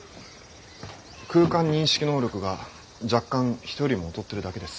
空間認識能力が若干人よりも劣ってるだけです。